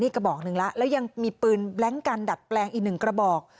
กระบอกหนึ่งแล้วแล้วยังมีปืนแบล็งกันดัดแปลงอีกหนึ่งกระบอก